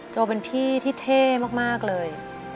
โจเป็นพี่ที่เท่มากเลย